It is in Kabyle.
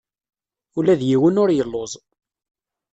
Ula d yiwen ur yelluẓ.